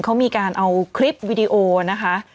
เขามีการเอาคลิปวิดีโอนะคะ